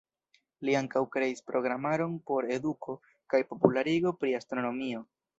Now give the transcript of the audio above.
Li ankaŭ kreis programaron por eduko kaj popularigo pri astronomio.